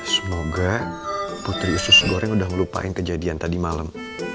semoga putri usus goreng udah ngelupain kejadian tadi malem